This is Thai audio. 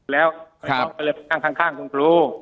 แล้วก็เลยไปนั่งข้างคุณครู